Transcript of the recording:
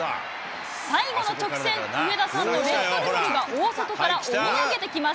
最後の直線、上田さんのレッドルゼルが大外から追い上げてきます。